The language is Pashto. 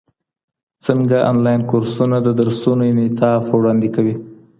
څنګه انلاين کورسونه د درسونو انعطاف وړاندې کوي؟